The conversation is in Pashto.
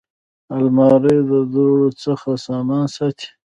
الماري د دوړو څخه سامان ساتي